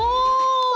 お！